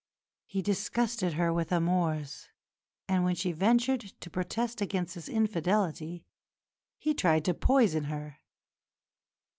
He disgusted her with his amours; and when she ventured to protest against his infidelity, he tried to poison her."